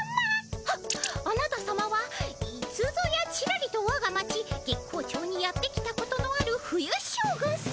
はっあなた様はいつぞやちらりとわが町月光町にやって来たことのある冬将軍様！